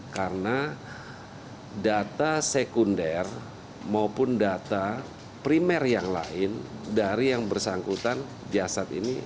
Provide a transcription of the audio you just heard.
karena data sekunder maupun data primer yang lain dari yang bersangkutan jasad ini